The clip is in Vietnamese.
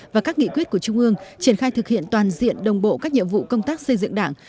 và các nghị quyết của trung ương triển khai thực hiện toàn diện đồng bộ các nhiệm vụ công tác xây dựng đảng